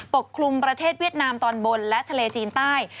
กลุ่มประเทศเวียดนามตอนบนและทะเลจีนใต้